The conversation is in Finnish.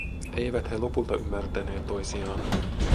Eivät he lopulta ymmärtäneet toisiaan.